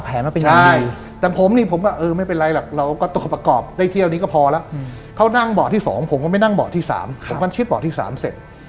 ผมก็ไปนั่งบ่อที่๓ผมก็ชิดบ่อที่๓เสร็จ